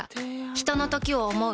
ひとのときを、想う。